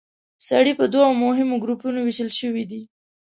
سرې په دوو مهمو ګروپونو ویشل شوې دي.